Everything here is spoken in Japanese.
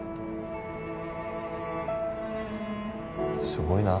すごいな。